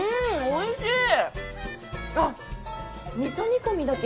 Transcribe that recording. おいしい！